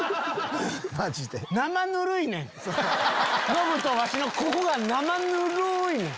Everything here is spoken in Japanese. ノブとワシのここが生ぬるいねん。